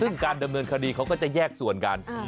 ซึ่งการดำเนินคดีเขาก็จะแยกส่วนกัน